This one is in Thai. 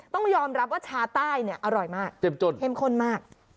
ต้องยอมรับว่าชาใต้เนี่ยอร่อยมากเจ็บจนเข้มข้นมาก